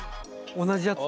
同じやつ？